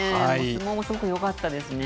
相撲もすごくよかったですね。